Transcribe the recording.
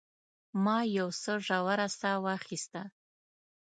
ما یو څه ژوره ساه واخیسته.